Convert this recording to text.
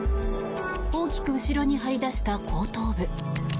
大きく後ろに張り出した後頭部。